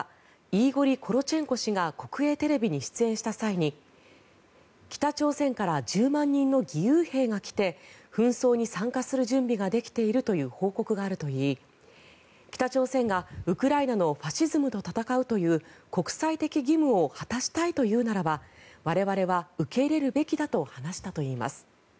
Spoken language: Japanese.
イーゴリ・コロチェンコ氏が国営テレビに出演した際に北朝鮮から１０万人の義勇兵が来て紛争に参加する準備ができているという報告があるといい北朝鮮が、ウクライナのファシズムと戦うという国際的義務を果たしたいというならば我々は受け入れるべきだと話したといいます。